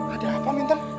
ada apa minta